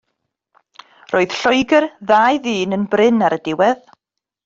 Roedd Lloegr ddau ddyn yn brin ar y diwedd.